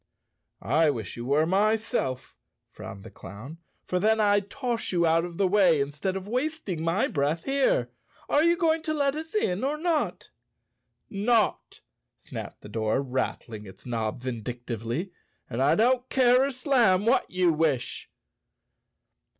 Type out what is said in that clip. "I wish you were, myself," frowned the clown, "for then I'd toss you out of the way instead of wasting my breath here. Are you going to let us in or not?" "Not!" snapped the door, rattling its knob vindic¬ tively. "And I don't care a slam what you wish."